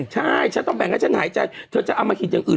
ใช่ฉันต้องแบ่งให้ฉันหายใจเธอจะเอามาหิดอย่างอื่น